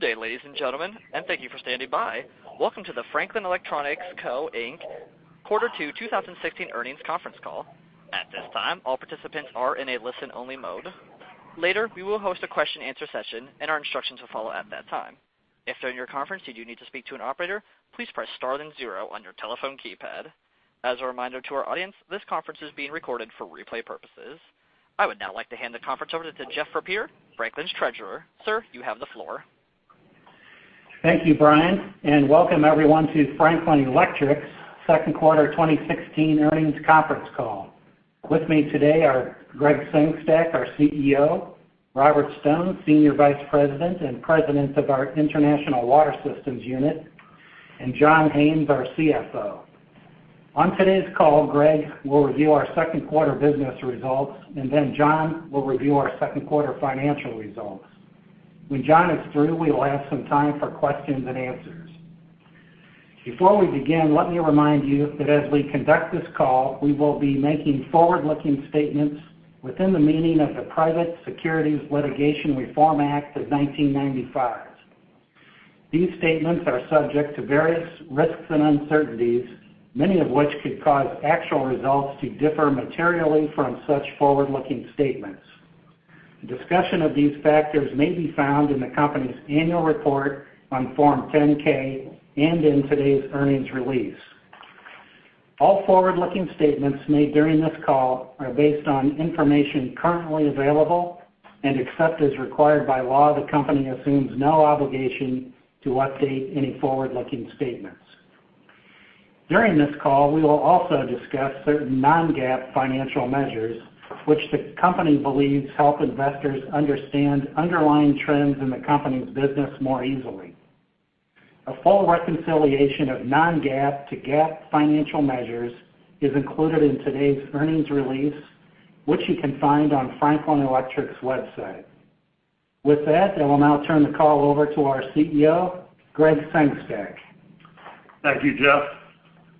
Good day, ladies and gentlemen, and thank you for standing by. Welcome to the Franklin Electric Co., Inc. Quarter Two 2016 earnings conference call. At this time, all participants are in a listen-only mode. Later, we will host a question-and-answer session, and our instructions will follow at that time. If during your conference you do need to speak to an operator, please press star then zero on your telephone keypad. As a reminder to our audience, this conference is being recorded for replay purposes. I would now like to hand the conference over to Jeff Rupieper, Franklin's treasurer. Sir, you have the floor. Thank you, Brian, and welcome everyone to Franklin Electric's second quarter 2016 earnings conference call. With me today are Gregg Sengstack, our CEO; Robert Stone, senior vice president and president of our international water systems unit; and John Haines, our CFO. On today's call, Gregg will review our second quarter business results, and then John will review our second quarter financial results. When John is through, we will have some time for questions and answers. Before we begin, let me remind you that as we conduct this call, we will be making forward-looking statements within the meaning of the Private Securities Litigation Reform Act of 1995. These statements are subject to various risks and uncertainties, many of which could cause actual results to differ materially from such forward-looking statements. Discussion of these factors may be found in the company's annual report on Form 10-K and in today's earnings release. All forward-looking statements made during this call are based on information currently available and except as required by law. The company assumes no obligation to update any forward-looking statements. During this call, we will also discuss certain Non-GAAP financial measures, which the company believes help investors understand underlying trends in the company's business more easily. A full reconciliation of Non-GAAP to GAAP financial measures is included in today's earnings release, which you can find on Franklin Electric's website. With that, I will now turn the call over to our CEO, Gregg Sengstack. Thank you, Jeff.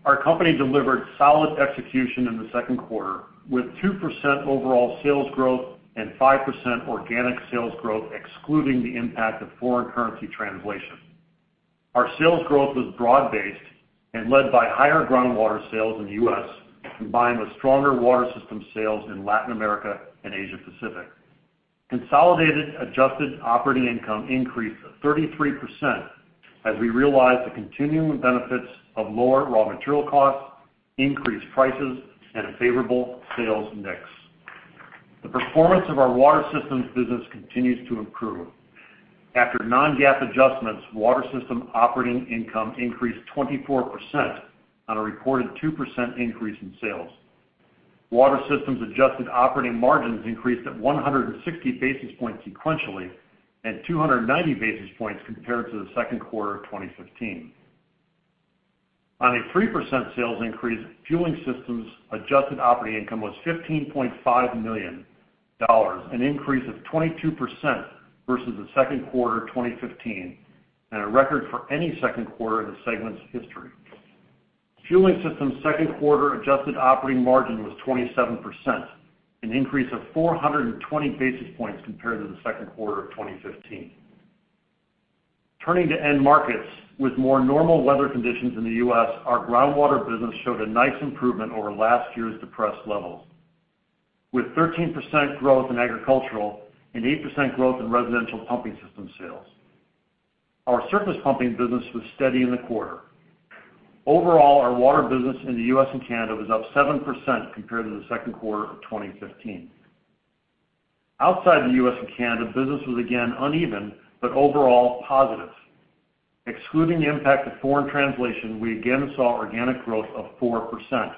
Our company delivered solid execution in the second quarter, with 2% overall sales growth and 5% organic sales growth excluding the impact of foreign currency translation. Our sales growth was broad-based and led by higher groundwater sales in the U.S., combined with stronger water systems sales in Latin America and Asia-Pacific. Consolidated adjusted operating income increased 33% as we realized the continuing benefits of lower raw material costs, increased prices, and a favorable sales mix. The performance of our water systems business continues to improve. After Non-GAAP adjustments, water system operating income increased 24% on a reported 2% increase in sales. Water systems adjusted operating margins increased at 160 basis points sequentially and 290 basis points compared to the second quarter of 2015. On a 3% sales increase, fueling systems adjusted operating income was $15.5 million, an increase of 22% versus the second quarter 2015, and a record for any second quarter in the segment's history. Fueling systems second quarter adjusted operating margin was 27%, an increase of 420 basis points compared to the second quarter of 2015. Turning to end markets, with more normal weather conditions in the U.S., our groundwater business showed a nice improvement over last year's depressed levels, with 13% growth in agricultural and 8% growth in residential pumping system sales. Our surface pumping business was steady in the quarter. Overall, our water business in the U.S. and Canada was up 7% compared to the second quarter of 2015. Outside the U.S. and Canada, business was again uneven but overall positive. Excluding the impact of foreign translation, we again saw organic growth of 4%.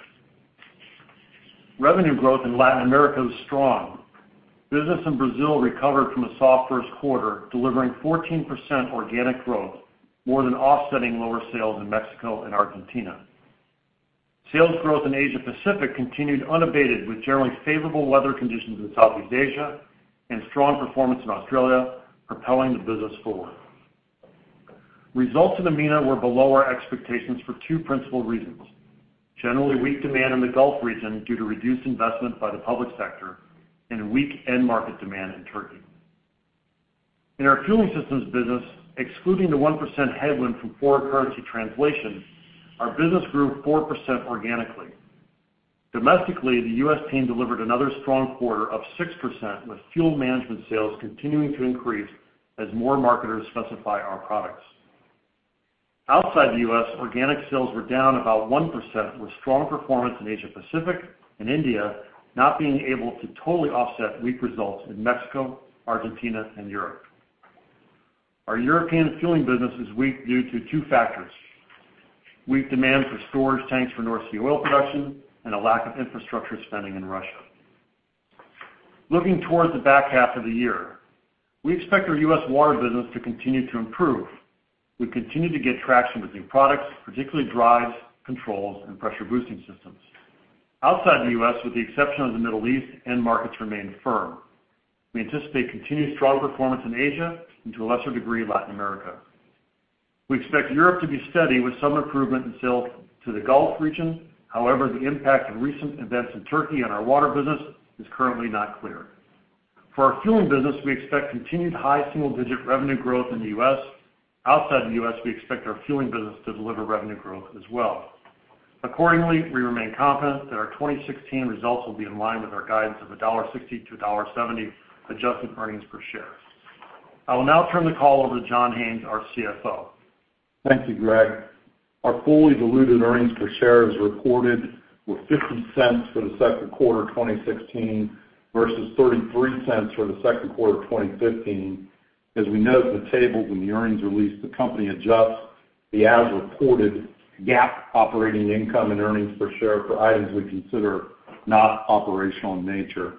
Revenue growth in Latin America was strong. Business in Brazil recovered from a soft first quarter, delivering 14% organic growth, more than offsetting lower sales in Mexico and Argentina. Sales growth in Asia-Pacific continued unabated, with generally favorable weather conditions in Southeast Asia and strong performance in Australia, propelling the business forward. Results in EMEA were below our expectations for two principal reasons: generally weak demand in the Gulf region due to reduced investment by the public sector and weak end market demand in Turkey. In our fueling systems business, excluding the 1% headwind from foreign currency translation, our business grew 4% organically. Domestically, the U.S. team delivered another strong quarter of 6%, with fuel management sales continuing to increase as more marketers specify our products. Outside the U.S., organic sales were down about 1%, with strong performance in Asia-Pacific and India not being able to totally offset weak results in Mexico, Argentina, and Europe. Our European fueling business is weak due to two factors: weak demand for storage tanks for North Sea oil production and a lack of infrastructure spending in Russia. Looking towards the back half of the year, we expect our U.S. water business to continue to improve. We continue to get traction with new products, particularly drives, controls, and pressure boosting systems. Outside the U.S., with the exception of the Middle East, end markets remain firm. We anticipate continued strong performance in Asia and, to a lesser degree, Latin America. We expect Europe to be steady with some improvement in sales to the Gulf region. However, the impact of recent events in Turkey on our water business is currently not clear. For our fueling business, we expect continued high single-digit revenue growth in the U.S. Outside the U.S., we expect our fueling business to deliver revenue growth as well. Accordingly, we remain confident that our 2016 results will be in line with our guidance of $1.60-$1.70 adjusted earnings per share. I will now turn the call over to John Haines, our CFO. Thank you, Greg. Our fully diluted earnings per share as reported were $0.50 for the second quarter 2016 versus $0.33 for the second quarter 2015. As we note in the tables in the earnings release, the company adjusts the as-reported GAAP operating income and earnings per share for items we consider not operational in nature.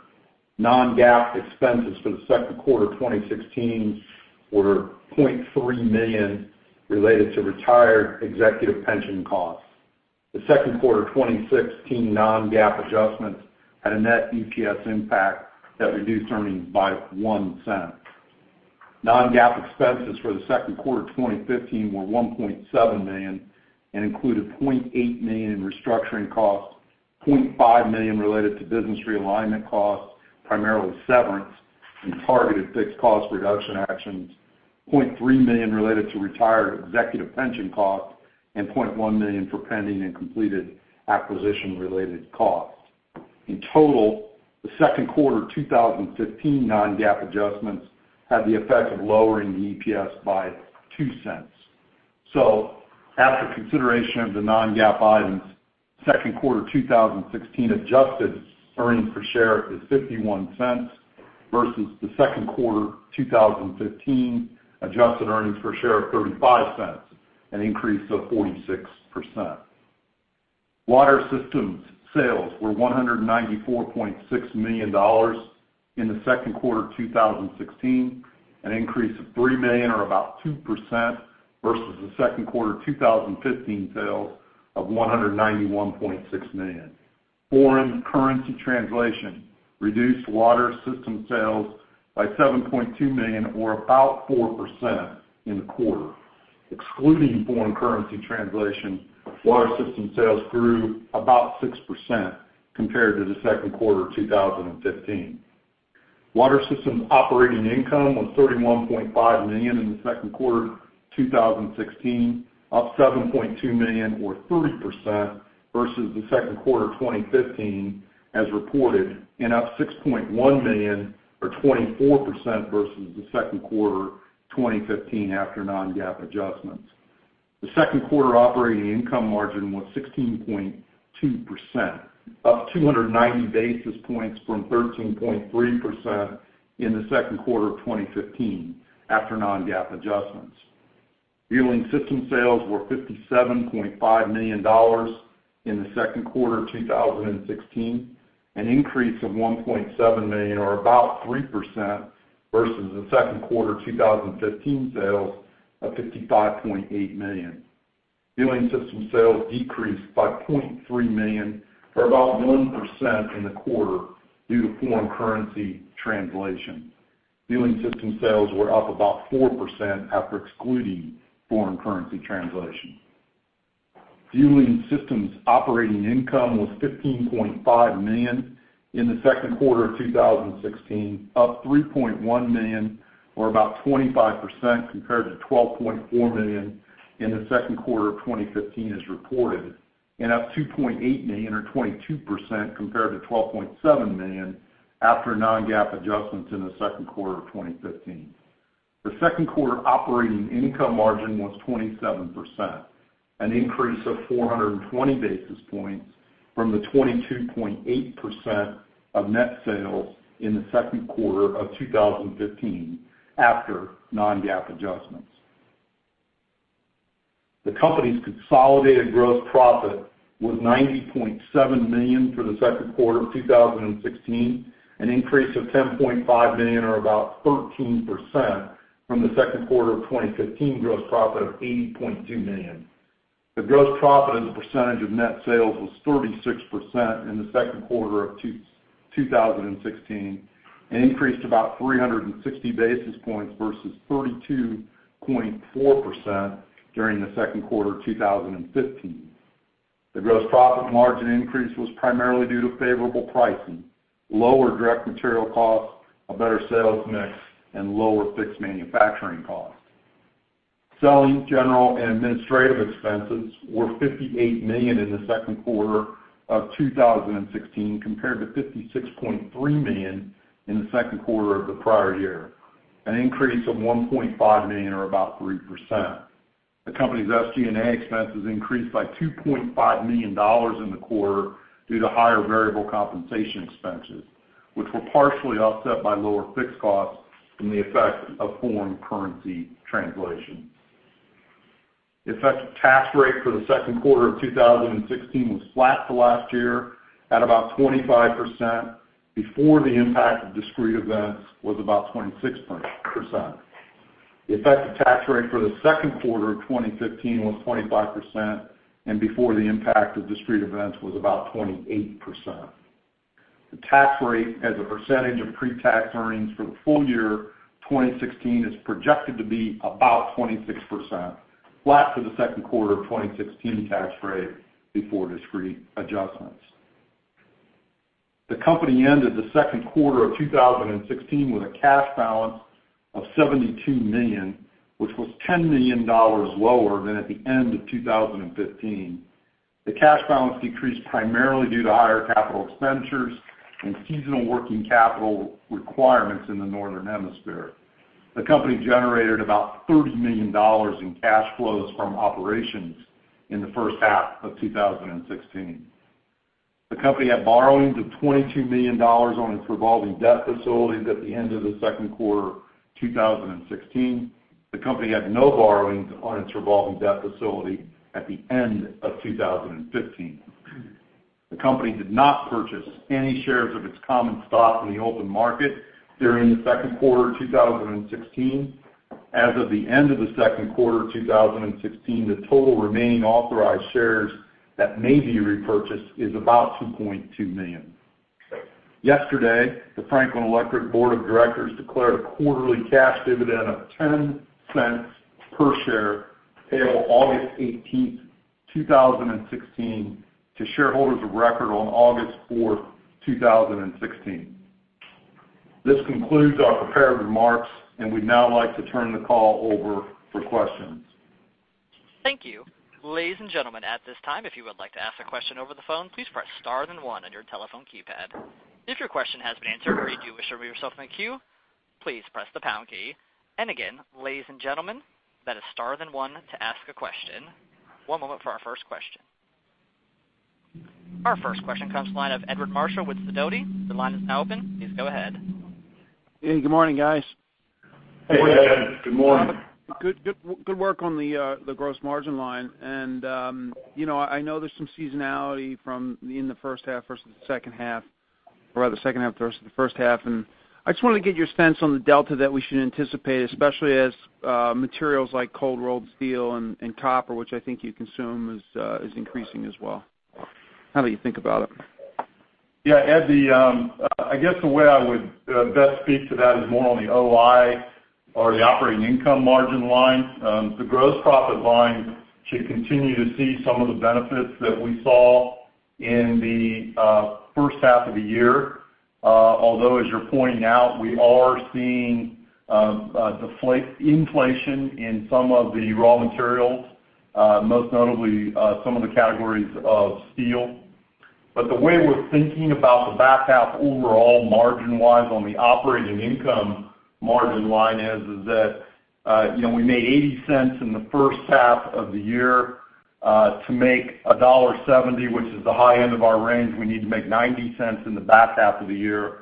Non-GAAP expenses for the second quarter 2016 were $0.3 million related to retired executive pension costs. The second quarter 2016 Non-GAAP adjustments had a net EPS impact that reduced earnings by $0.01. Non-GAAP expenses for the second quarter 2015 were $1.7 million and included $0.8 million in restructuring costs, $0.5 million related to business realignment costs, primarily severance and targeted fixed cost reduction actions, $0.3 million related to retired executive pension costs, and $0.1 million for pending and completed acquisition-related costs. In total, the second quarter 2015 Non-GAAP adjustments had the effect of lowering the EPS by $0.02. So, after consideration of the Non-GAAP items, second quarter 2016 adjusted earnings per share is $0.51 versus the second quarter 2015 adjusted earnings per share of $0.35, an increase of 46%. Water Systems sales were $194.6 million in the second quarter 2016, an increase of $3 million or about 2% versus the second quarter 2015 sales of $191.6 million. Foreign currency translation reduced water systems sales by $7.2 million or about 4% in the quarter. Excluding foreign currency translation, water systems sales grew about 6% compared to the second quarter 2015. Water systems operating income was $31.5 million in the second quarter 2016, up $7.2 million or 30% versus the second quarter 2015 as reported, and up $6.1 million or 24% versus the second quarter 2015 after Non-GAAP adjustments. The second quarter operating income margin was 16.2%, up 290 basis points from 13.3% in the second quarter of 2015 after Non-GAAP adjustments. Fueling systems sales were $57.5 million in the second quarter 2016, an increase of $1.7 million or about 3% versus the second quarter 2015 sales of $55.8 million. Fueling systems sales decreased by $0.3 million or about 1% in the quarter due to foreign currency translation. Fueling systems sales were up about 4% after excluding foreign currency translation. Fueling systems operating income was $15.5 million in the second quarter of 2016, up $3.1 million or about 25% compared to $12.4 million in the second quarter of 2015 as reported, and up $2.8 million or 22% compared to $12.7 million after Non-GAAP adjustments in the second quarter of 2015. The second quarter operating income margin was 27%, an increase of 420 basis points from the 22.8% of net sales in the second quarter of 2015 after Non-GAAP adjustments. The company's consolidated gross profit was $90.7 million for the second quarter of 2016, an increase of $10.5 million or about 13% from the second quarter of 2015 gross profit of $80.2 million. The gross profit as a percentage of net sales was 36% in the second quarter of 2016, an increase to about 360 basis points versus 32.4% during the second quarter of 2015. The gross profit margin increase was primarily due to favorable pricing, lower direct material costs, a better sales mix, and lower fixed manufacturing costs. Selling general and administrative expenses were $58 million in the second quarter of 2016 compared to $56.3 million in the second quarter of the prior year, an increase of $1.5 million or about 3%. The company's SG&A expenses increased by $2.5 million in the quarter due to higher variable compensation expenses, which were partially offset by lower fixed costs from the effect of foreign currency translation. The effective tax rate for the second quarter of 2016 was flat the last year at about 25%. Before the impact of discrete events was about 26%. The effective tax rate for the second quarter of 2015 was 25%, and before the impact of discrete events was about 28%. The tax rate as a percentage of pre-tax earnings for the full year 2016 is projected to be about 26%, flat for the second quarter of 2016 tax rate before discrete adjustments. The company ended the second quarter of 2016 with a cash balance of $72 million, which was $10 million lower than at the end of 2015. The cash balance decreased primarily due to higher capital expenditures and seasonal working capital requirements in the northern hemisphere. The company generated about $30 million in cash flows from operations in the first half of 2016. The company had borrowings of $22 million on its revolving debt facilities at the end of the second quarter 2016. The company had no borrowings on its revolving debt facility at the end of 2015. The company did not purchase any shares of its common stock in the open market during the second quarter of 2016. As of the end of the second quarter 2016, the total remaining authorized shares that may be repurchased is about 2.2 million. Yesterday, the Franklin Electric Board of Directors declared a quarterly cash dividend of $0.10 per share payable August 18th, 2016, to shareholders of record on August 4th, 2016. This concludes our prepared remarks, and we'd now like to turn the call over for questions. Thank you. Ladies and gentlemen, at this time, if you would like to ask a question over the phone, please press star, then one on your telephone keypad. If your question has been answered or you do wish to remove yourself from the queue, please press the pound key. Again, ladies and gentlemen, that is star, then one to ask a question. One moment for our first question. Our first question comes to line of Edward Marshall with Sidoti. The line is now open. Please go ahead. Hey, good morning, guys. Hey, good morning. Good, good, good work on the gross margin line. And, you know, I know there's some seasonality from the first half versus the second half or rather second half versus the first half. And I just wanted to get your sense on the delta that we should anticipate, especially as materials like cold-rolled steel and copper, which I think you consume, is increasing as well. How about you think about it? Yeah, Ed, I guess the way I would best speak to that is more on the OI or the operating income margin line. The gross profit line should continue to see some of the benefits that we saw in the first half of the year. Although, as you're pointing out, we are seeing deflation in some of the raw materials, most notably, some of the categories of steel. But the way we're thinking about the back half overall margin-wise on the operating income margin line is that, you know, we made $0.80 in the first half of the year. To make $1.70, which is the high end of our range, we need to make $0.90 in the back half of the year.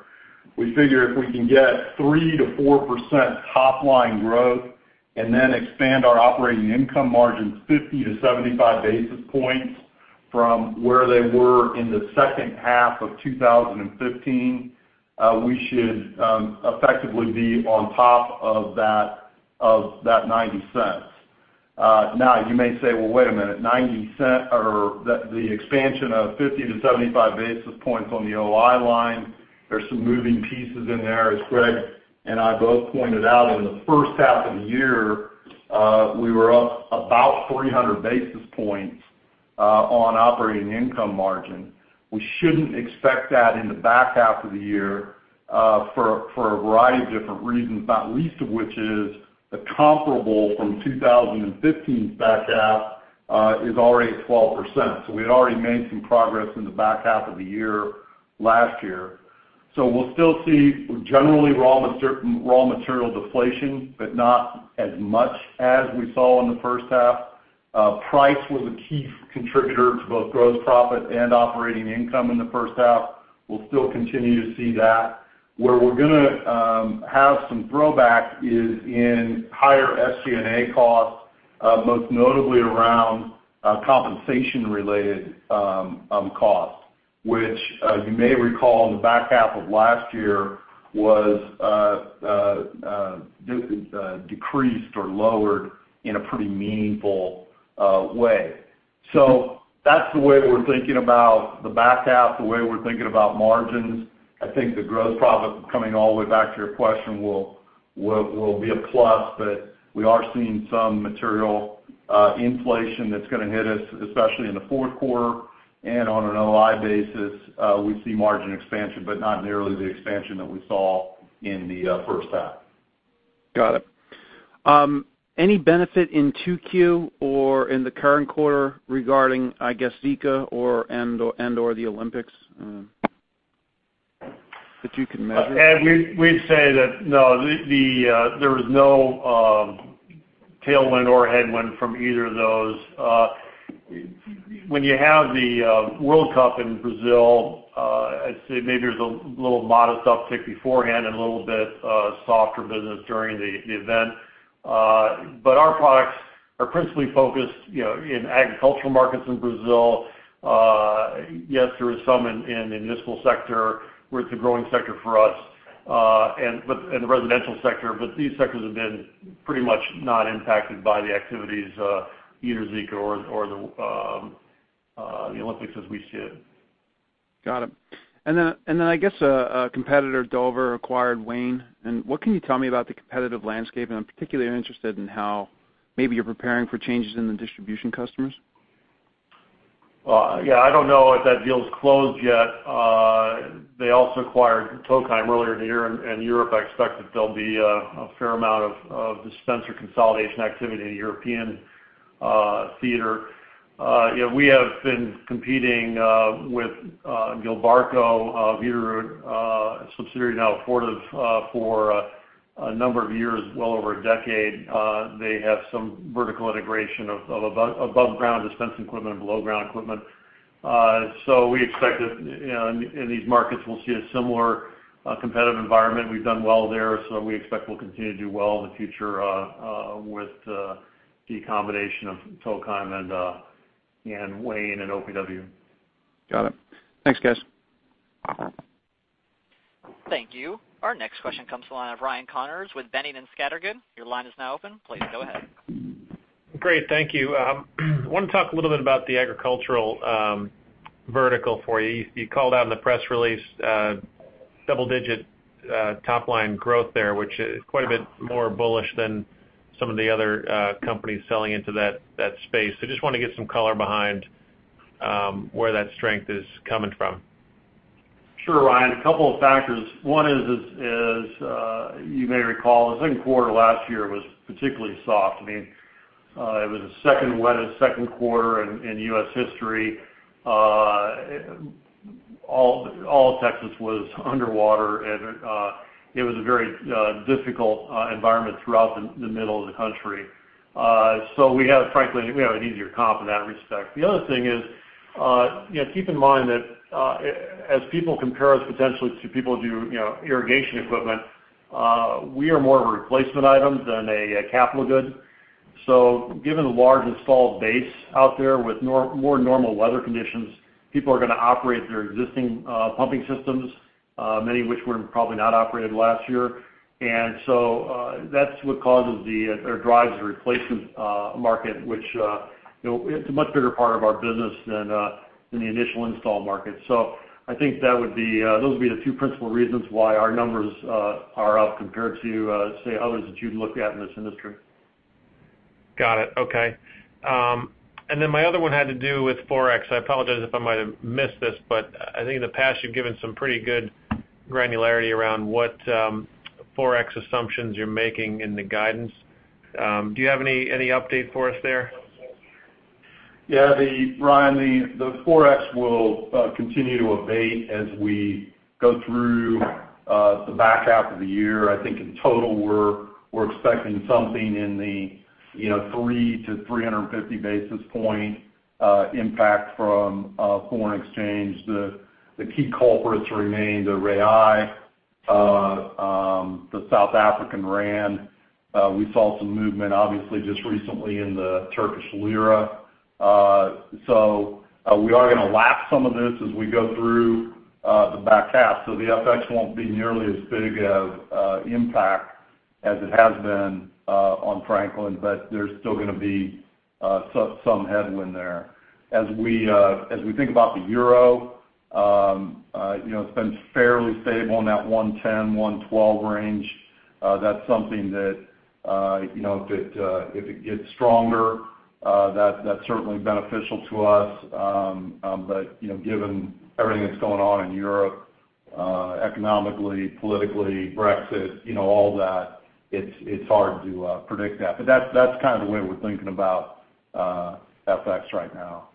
We figure if we can get 3%-4% top-line growth and then expand our operating income margins 50 basis point-75 basis points from where they were in the second half of 2015, we should effectively be on top of that of that $0.90. Now, you may say, "Well, wait a minute. $0.90 or that the expansion of 50 basis point-75 basis points on the OI line, there's some moving pieces in there." As Greg and I both pointed out, in the first half of the year, we were up about 300 basis points on operating income margin. We shouldn't expect that in the back half of the year, for a variety of different reasons, not least of which is the comparable from 2015's back half is already at 12%. So we had already made some progress in the back half of the year last year. So we'll still see generally raw material deflation, but not as much as we saw in the first half. Price was a key contributor to both gross profit and operating income in the first half. We'll still continue to see that. Where we're gonna have some throwback is in higher SG&A costs, most notably around compensation-related costs, which you may recall in the back half of last year was decreased or lowered in a pretty meaningful way. So that's the way we're thinking about the back half, the way we're thinking about margins. I think the gross profit coming all the way back to your question will, will, will be a plus, but we are seeing some material inflation that's gonna hit us, especially in the fourth quarter. On an OI basis, we see margin expansion, but not nearly the expansion that we saw in the first half. Got it. Any benefit in Q2 or in the current quarter regarding, I guess, Zika or and/or and/or the Olympics, that you can measure? Ed, we'd say that no. The, there was no tailwind or headwind from either of those. When you have the World Cup in Brazil, I'd say maybe there's a little modest uptick beforehand and a little bit softer business during the event. But our products are principally focused, you know, in agricultural markets in Brazil. Yes, there is some in municipal sector, where it's a growing sector for us, but in the residential sector. But these sectors have been pretty much not impacted by the activities, either Zika or the Olympics as we see it. Got it. And then I guess a competitor, Dover, acquired Wayne Fueling Systems. And what can you tell me about the competitive landscape? And I'm particularly interested in how maybe you're preparing for changes in the distribution customers. Yeah, I don't know if that deal's closed yet. They also acquired Tokheim earlier in the year. And in Europe, I expect that there'll be a fair amount of dispenser consolidation activity in the European theater. You know, we have been competing with Gilbarco Veeder-Root, a subsidiary now of Fortive, for a number of years, well over a decade. They have some vertical integration of above-ground dispenser equipment and below-ground equipment. So we expect that, you know, in these markets, we'll see a similar competitive environment. We've done well there, so we expect we'll continue to do well in the future with the combination of Tokheim and Wayne Fueling Systems and OPW. Got it. Thanks, guys. Thank you. Our next question comes to line of Ryan Connors with Boenning & Scattergood. Your line is now open. Please go ahead. Great. Thank you. Wanna talk a little bit about the agricultural vertical for you. You, you called out in the press release double-digit top-line growth there, which is quite a bit more bullish than some of the other companies selling into that, that space. So just wanna get some color behind where that strength is coming from. Sure, Ryan. A couple of factors. One is, you may recall, the second quarter last year was particularly soft. I mean, it was the second wettest second quarter in U.S. history. All Texas was underwater. And it was a very difficult environment throughout the middle of the country. So we have frankly an easier comp in that respect. The other thing is, you know, keep in mind that as people compare us potentially to people who do, you know, irrigation equipment, we are more of a replacement item than a capital good. So given the large installed base out there with now more normal weather conditions, people are gonna operate their existing pumping systems, many of which were probably not operated last year. And so, that's what causes the, or drives the replacement market, which, you know, it's a much bigger part of our business than, than the initial install market. So I think that would be, those would be the two principal reasons why our numbers are up compared to, say, others that you'd look at in this industry. Got it. Okay. And then my other one had to do with Forex. I apologize if I might have missed this, but I think in the past, you've given some pretty good granularity around what Forex assumptions you're making in the guidance. Do you have any, any update for us there? Yeah, Ryan, the Forex will continue to abate as we go through the back half of the year. I think in total, we're expecting something in the, you know, 300 basis point-350 basis points impact from foreign exchange. The key culprits remain the rand, the South African rand. We saw some movement, obviously, just recently in the Turkish lira. So, we are gonna lap some of this as we go through the back half. So the FX won't be nearly as big of impact as it has been on Franklin, but there's still gonna be some headwind there. As we think about the euro, you know, it's been fairly stable in that 1.10-1.12 range. That's something that, you know, if it gets stronger, that's certainly beneficial to us. but, you know, given everything that's going on in Europe, economically, politically, Brexit, you know, all that, it's, it's hard to predict that. But that's, that's kind of the way we're thinking about FX right now.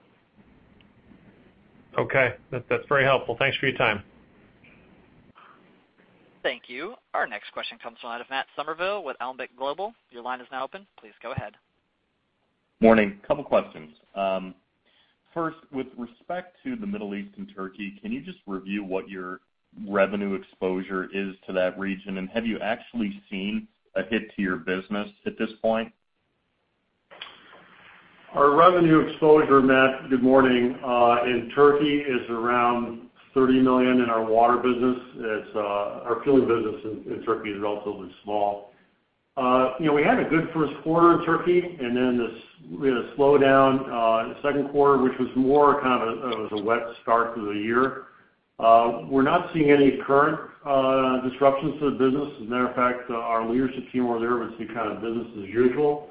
Okay. That's very helpful. Thanks for your time. Thank you. Our next question comes to line of Matt Summerville with Stifel. Your line is now open. Please go ahead. Morning. Couple questions. First, with respect to the Middle East and Turkey, can you just review what your revenue exposure is to that region? And have you actually seen a hit to your business at this point? Our revenue exposure, Matt, good morning. In Turkey, is around $30 million in our water business. It's our fueling business in Turkey is relatively small. You know, we had a good first quarter in Turkey, and then we had a slowdown, second quarter, which was more kind of a wet start to the year. We're not seeing any current disruptions to the business. As a matter of fact, our leadership team over there would say kind of business as usual.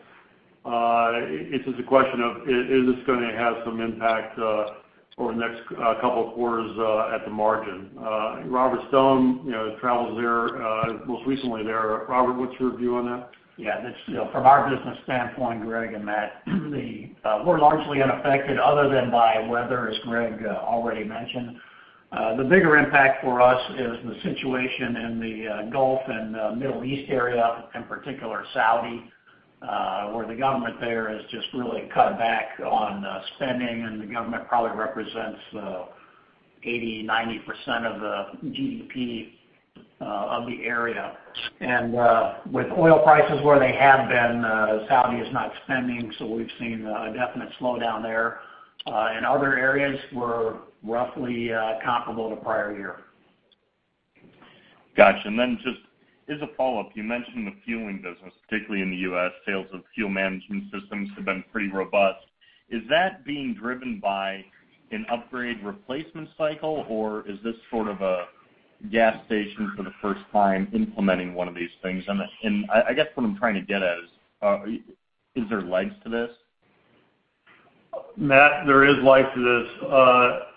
It's just a question of is this gonna have some impact, over the next couple of quarters, at the margin? Robert Stone, you know, travels there, most recently there. Robert, what's your view on that? Yeah. That's, you know, from our business standpoint, Greg and Matt, the, we're largely unaffected other than by weather, as Greg already mentioned. The bigger impact for us is the situation in the Gulf and Middle East area, in particular Saudi, where the government there has just really cut back on spending. And the government probably represents 80%-90% of the GDP of the area. And, with oil prices where they have been, Saudi is not spending, so we've seen a definite slowdown there. In other areas, we're roughly comparable to prior year. Gotcha. And then just as a follow-up, you mentioned the fueling business, particularly in the U.S. Sales of fuel management systems have been pretty robust. Is that being driven by an upgrade replacement cycle, or is this sort of a gas station for the first time implementing one of these things? And, and I, I guess what I'm trying to get at is, is there legs to this? Matt, there is legs to this.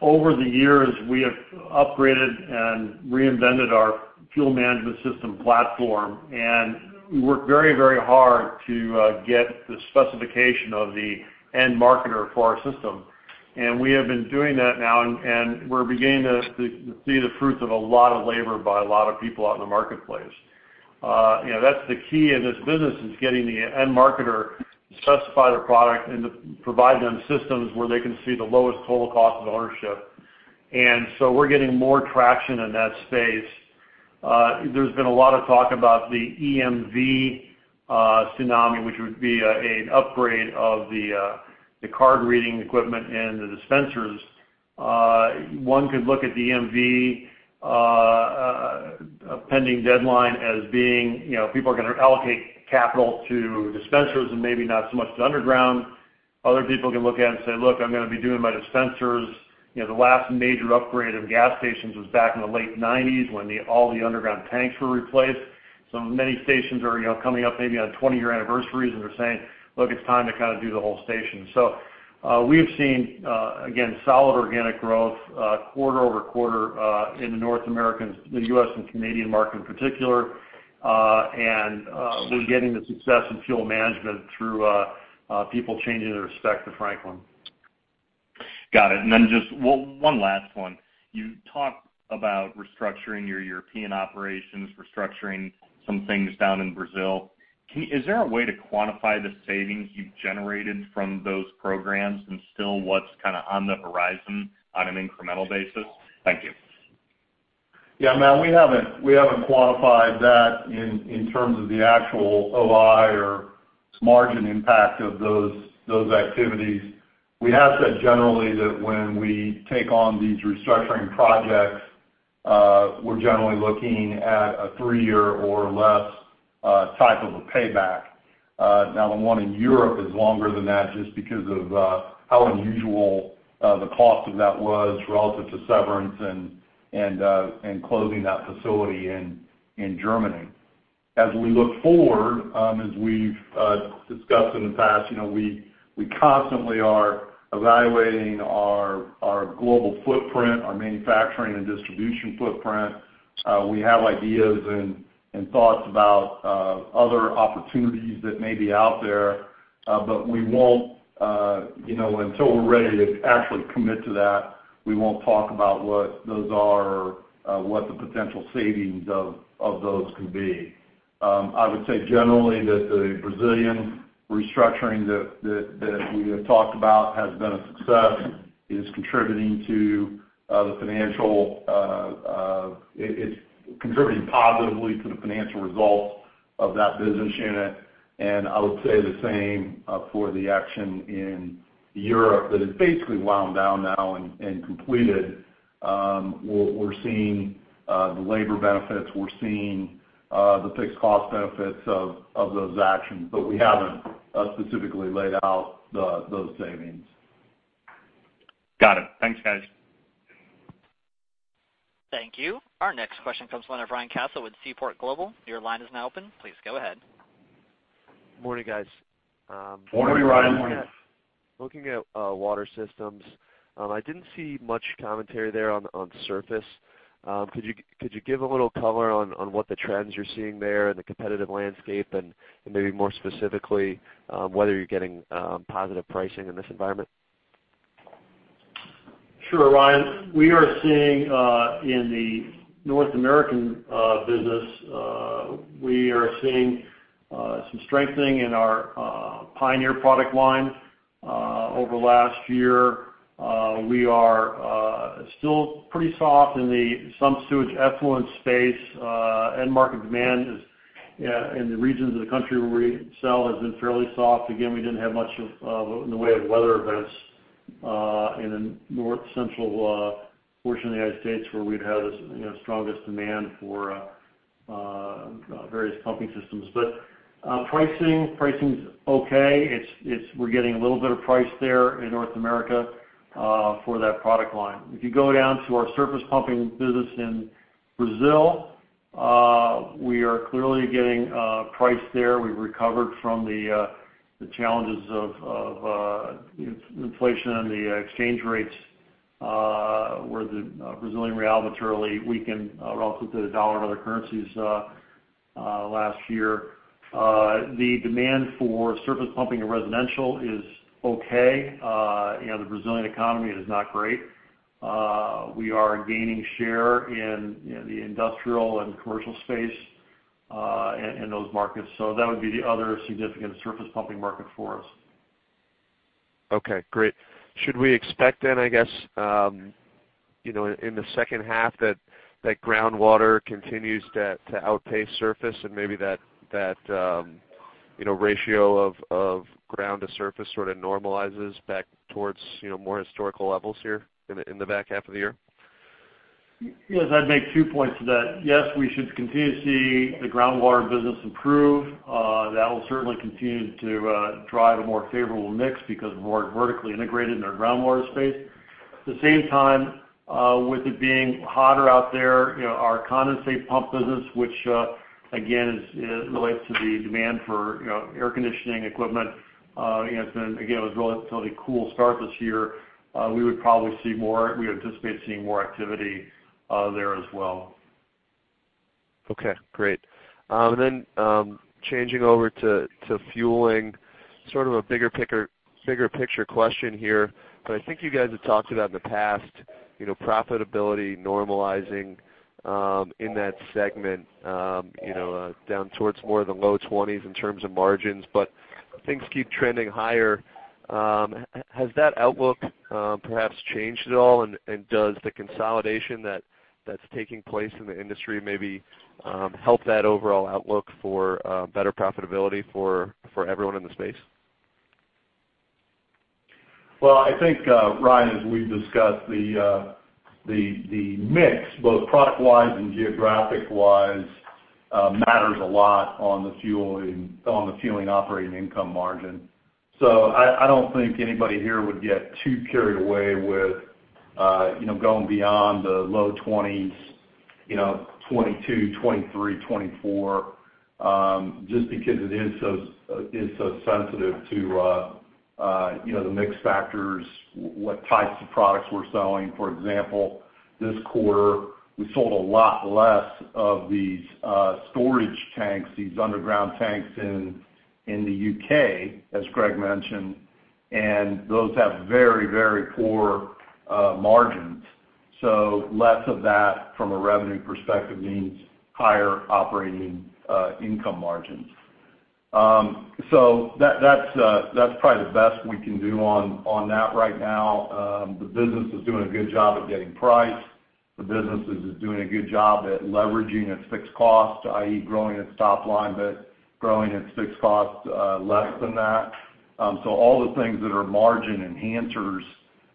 Over the years, we have upgraded and reinvented our fuel management system platform. We work very, very hard to get the specification of the end marketer for our system. We have been doing that now, and we're beginning to see the fruits of a lot of labor by a lot of people out in the marketplace. You know, that's the key in this business, is getting the end marketer to specify their product and to provide them systems where they can see the lowest total cost of ownership. So we're getting more traction in that space. There's been a lot of talk about the EMV tsunami, which would be an upgrade of the card reading equipment and the dispensers. One could look at the EMV pending deadline as being, you know, people are gonna allocate capital to dispensers and maybe not so much to underground. Other people can look at it and say, "Look, I'm gonna be doing my dispensers." You know, the last major upgrade of gas stations was back in the late '90s when all the underground tanks were replaced. So many stations are, you know, coming up maybe on 20-year anniversaries, and they're saying, "Look, it's time to kinda do the whole station." So, we have seen, again, solid organic growth, quarter-over-quarter, in the North American, the US and Canadian market in particular. And, we're getting the success in fuel management through people changing their specs to Franklin. Got it. And then just one last one. You talked about restructuring your European operations, restructuring some things down in Brazil. Can you is there a way to quantify the savings you've generated from those programs and still what's kinda on the horizon on an incremental basis? Thank you. Yeah, Matt, we haven't we haven't quantified that in, in terms of the actual OI or margin impact of those, those activities. We have said generally that when we take on these restructuring projects, we're generally looking at a three-year or less, type of a payback. Now, the one in Europe is longer than that just because of, how unusual, the cost of that was relative to severance and, and, and closing that facility in, in Germany. As we look forward, as we've, discussed in the past, you know, we, we constantly are evaluating our, our global footprint, our manufacturing and distribution footprint. We have ideas and, and thoughts about, other opportunities that may be out there. But we won't, you know, until we're ready to actually commit to that, we won't talk about what those are, what the potential savings of, of those could be. I would say generally that the Brazilian restructuring that we have talked about has been a success, is contributing to the financial. It's contributing positively to the financial results of that business unit. I would say the same for the action in Europe that is basically wound down now and completed. We're seeing the labor benefits. We're seeing the fixed cost benefits of those actions. But we haven't specifically laid out those savings. Got it. Thanks, guys. Thank you. Our next question comes to line of Ryan Connors with Seaport Global. Your line is now open. Please go ahead. Morning, guys. Morning, Ryan. Morning, Matt. Looking at water systems, I didn't see much commentary there on surface. Could you give a little color on what the trends you're seeing there and the competitive landscape and maybe more specifically whether you're getting positive pricing in this environment? Sure, Ryan. We are seeing, in the North American business, we are seeing some strengthening in our Pioneer product line over last year. We are still pretty soft in some sewage effluent space. End market demand is in the regions of the country where we sell has been fairly soft. Again, we didn't have much of in the way of weather events in the north central portion of the United States where we'd have the you know, strongest demand for various pumping systems. But pricing's okay. It's we're getting a little bit of price there in North America for that product line. If you go down to our surface pumping business in Brazil, we are clearly getting price there. We've recovered from the challenges of inflation and the exchange rates, where the Brazilian real had been fairly weakened relative to the dollar and other currencies last year. The demand for surface pumping in residential is okay. You know, the Brazilian economy is not great. We are gaining share in, you know, the industrial and commercial space in those markets. So that would be the other significant surface pumping market for us. Okay. Great. Should we expect then, I guess, you know, in the second half that groundwater continues to outpace surface and maybe that, you know, ratio of ground to surface sort of normalizes back towards, you know, more historical levels here in the back half of the year? Yes, I'd make two points to that. Yes, we should continue to see the groundwater business improve. That will certainly continue to drive a more favorable mix because we're more vertically integrated in our groundwater space. At the same time, with it being hotter out there, you know, our condensate pump business, which, again, relates to the demand for, you know, air conditioning equipment, you know, has been again; it was a relatively cool start this year. We would probably see more. We anticipate seeing more activity there as well. Okay. Great. Then, changing over to fueling, sort of a bigger picture question here. But I think you guys have talked about in the past, you know, profitability normalizing in that segment, you know, down towards more of the low 20s in terms of margins. But things keep trending higher. Has that outlook perhaps changed at all? And does the consolidation that's taking place in the industry maybe help that overall outlook for better profitability for everyone in the space? Well, I think, Ryan, as we've discussed, the mix, both product-wise and geographic-wise, matters a lot on the fueling operating income margin. So I don't think anybody here would get too carried away with, you know, going beyond the low 20s, you know, 22%, 23%, 24%, just because it is so sensitive to, you know, the mix factors, what types of products we're selling. For example, this quarter, we sold a lot less of these storage tanks, these underground tanks in the U.K., as Greg mentioned. And those have very, very poor margins. So less of that from a revenue perspective means higher operating income margins. So that's probably the best we can do on that right now. The business is doing a good job at getting price. The business is doing a good job at leveraging its fixed cost, i.e., growing its top line, but growing its fixed cost less than that. So all the things that are margin enhancers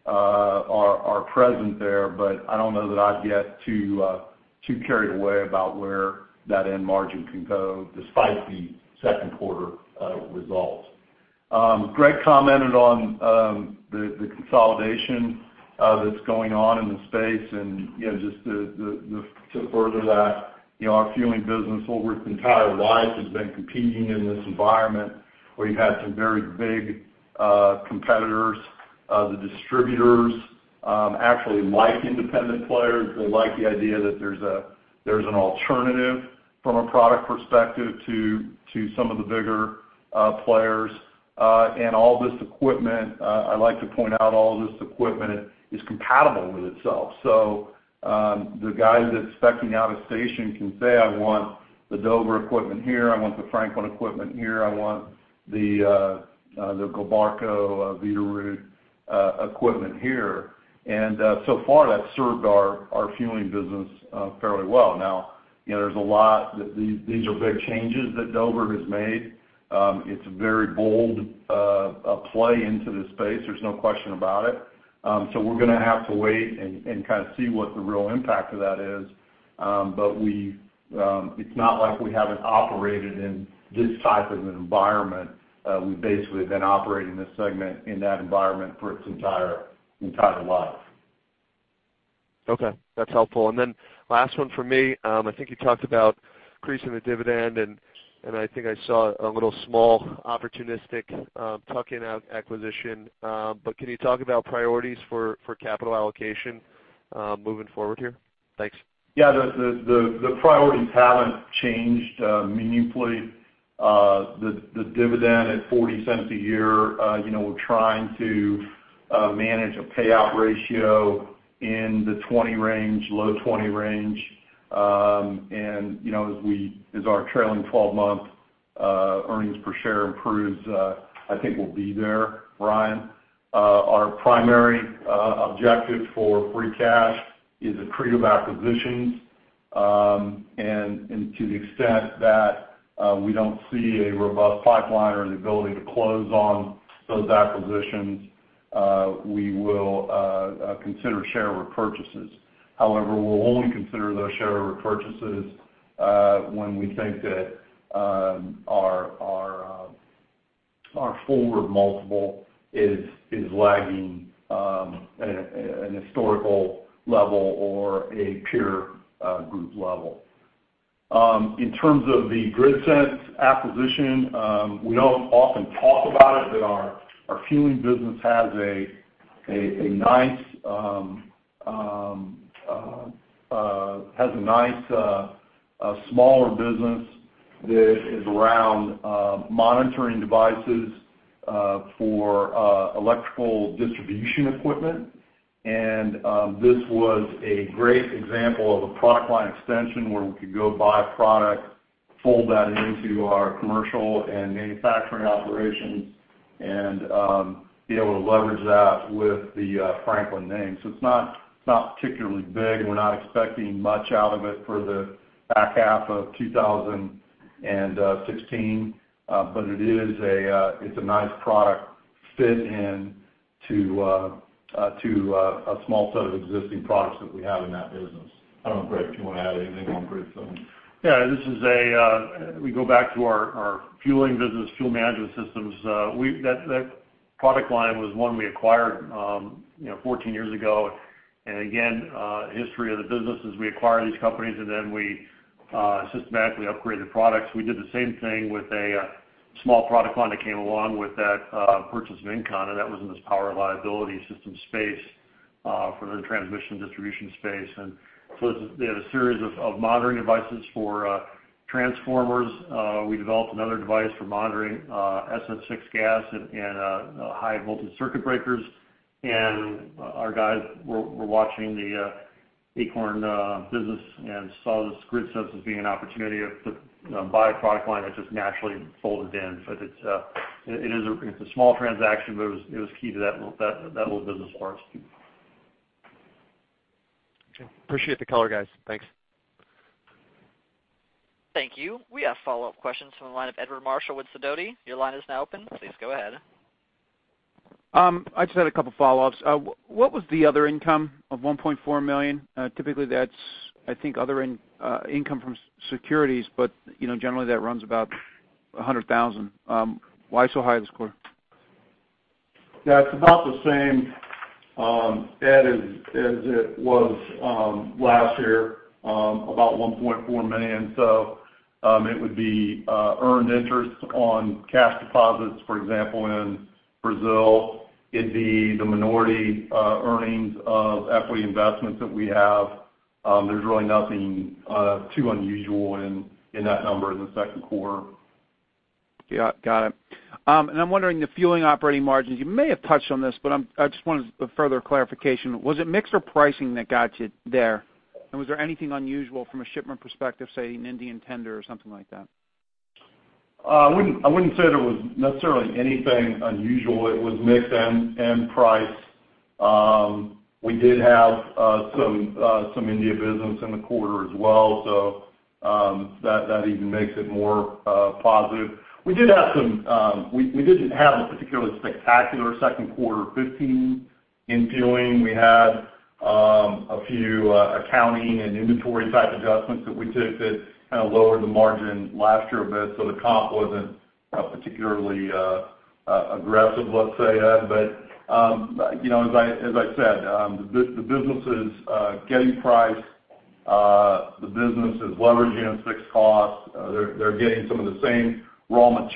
are present there. But I don't know that I'd get too carried away about where that end margin can go despite the second quarter results. Gregg commented on the consolidation that's going on in the space. And you know, just to further that, you know, our fueling business, well, our entire life has been competing in this environment where you've had some very big competitors. The distributors actually like independent players. They like the idea that there's an alternative from a product perspective to some of the bigger players. And all this equipment, I like to point out, all this equipment is compatible with itself. So, the guy that's speccing out a station can say, "I want the Dover equipment here. I want the Franklin equipment here. I want the Gilbarco Veeder-Root equipment here." And, so far, that's served our fueling business fairly well. Now, you know, there's a lot that these are big changes that Dover has made. It's a very bold play into this space. There's no question about it. So we're gonna have to wait and kinda see what the real impact of that is. But it's not like we haven't operated in this type of an environment. We've basically been operating this segment in that environment for its entire life. Okay. That's helpful. And then last one for me. I think you talked about increasing the dividend. And, and I think I saw a little small opportunistic, tuck-in acquisition. But can you talk about priorities for, for capital allocation, moving forward here? Thanks. Yeah. The priorities haven't changed, meaningfully. The dividend at $0.40 a year, you know, we're trying to manage a payout ratio in the 20% range, low 20% range. And, you know, as our trailing 12-month earnings per share improves, I think we'll be there, Ryan. Our primary objective for free cash is accretive acquisitions. And to the extent that we don't see a robust pipeline or the ability to close on those acquisitions, we will consider share repurchases. However, we'll only consider those share repurchases when we think that our forward multiple is lagging at an historical level or a peer group level. In terms of the GridSense acquisition, we don't often talk about it. But our fueling business has a nice smaller business that is around monitoring devices for electrical distribution equipment. And this was a great example of a product line extension where we could go buy product, fold that into our commercial and manufacturing operations, and be able to leverage that with the Franklin name. So it's not particularly big. We're not expecting much out of it for the back half of 2016. But it is a nice product fit-in to a small set of existing products that we have in that business. I don't know, Greg, if you wanna add anything, Greg, to that. Yeah. This is, we go back to our fueling business, fuel management systems. That product line was one we acquired, you know, 14 years ago. And again, the history of the business is we acquired these companies, and then we systematically upgraded the products. We did the same thing with a small product line that came along with that purchase of INCON. That was in this power reliability system space, for the transmission distribution space. And so it's, they have a series of monitoring devices for transformers. We developed another device for monitoring SF6 gas and high voltage circuit breakers. And our guys were watching the INCON business and saw this GridSense as being an opportunity to buy a product line that just naturally folded in. But it's a small transaction, but it was key to that little business for us. Okay. Appreciate the color, guys. Thanks. Thank you. We have follow-up questions from the line of Edward Marshall with Sidoti. Your line is now open. Please go ahead. I just had a couple follow-ups. What was the other income of $1.4 million? Typically, that's, I think, other income from securities. But, you know, generally, that runs about $100,000. Why so high this quarter? Yeah. It's about the same as it was last year, about $1.4 million. So, it would be earned interest on cash deposits, for example, in Brazil. It'd be the minority earnings of equity investments that we have. There's really nothing too unusual in that number in the second quarter. Yeah. Got it. I'm wondering, the fueling operating margins, you may have touched on this, but I just wanted a further clarification. Was it mixed or pricing that got you there? And was there anything unusual from a shipment perspective, say, an Indian tender or something like that? I wouldn't say there was necessarily anything unusual. It was mixed end-end price. We did have some India business in the quarter as well. So that even makes it more positive. We didn't have a particularly spectacular second quarter 2015 in fueling. We had a few accounting and inventory type adjustments that we took that kinda lowered the margin last year a bit. So the comp wasn't particularly aggressive, let's say, Ed. But you know, as I said, the business is getting priced. The business is leveraging its fixed cost.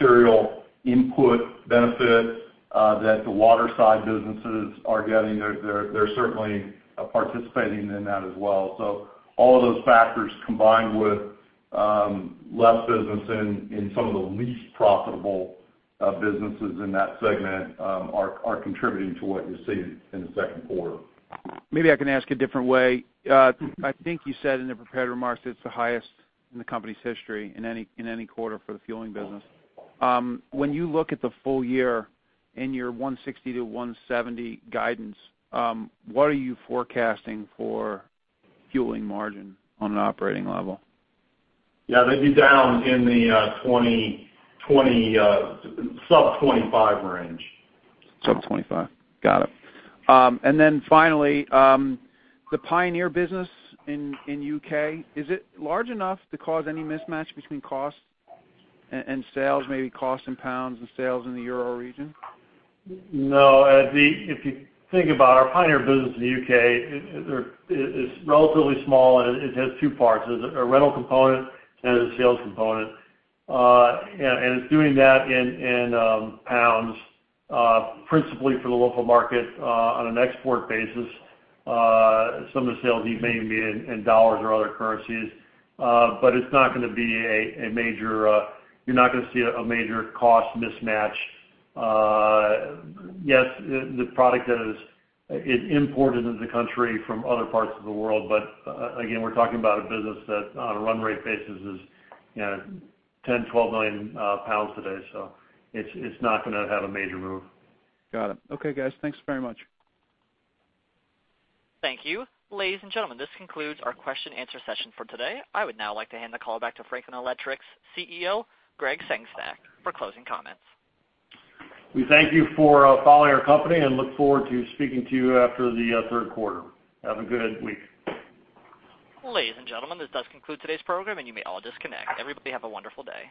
They're certainly participating in that as well. So all of those factors combined with less business in some of the least profitable businesses in that segment are contributing to what you're seeing in the second quarter. Maybe I can ask a different way. I think you said in the prepared remarks that it's the highest in the company's history in any in any quarter for the fueling business. When you look at the full year in your 160-170 guidance, what are you forecasting for fueling margin on an operating level? Yeah. They'd be down in the 20s-sub-25 range. Got it. Then finally, the Pioneer business in U.K., is it large enough to cause any mismatch between costs and sales, maybe cost in pounds and sales in the euro region? No. Ed, if you think about our Pioneer business in the U.K., it's relatively small, and it has two parts. It has a rental component and it has a sales component. And it's doing that in pounds, principally for the local market, on an export basis. Some of the sales may even be in dollars or other currencies. But it's not gonna be a major, you're not gonna see a major cost mismatch. Yes, the product that is imported into the country from other parts of the world. But, again, we're talking about a business that, on a run-rate basis, is, you know, 10-12 million pounds today. So it's not gonna have a major move. Got it. Okay, guys. Thanks very much. Thank you. Ladies and gentlemen, this concludes our question-answer session for today. I would now like to hand the call back to Franklin Electric's CEO, Gregg Sengstack, for closing comments. We thank you for following our company and look forward to speaking to you after the third quarter. Have a good week. Ladies and gentlemen, this does conclude today's program, and you may all disconnect. Everybody have a wonderful day.